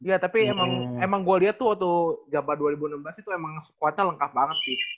ya tapi emang gua liat tuh waktu jabar dua ribu enam belas itu emang support nya lengkap banget sih